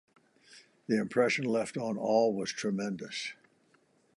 The impression left on all was tremendous.